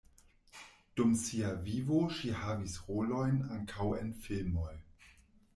Dum sia vivo ŝi havis rolojn ankaŭ en filmoj.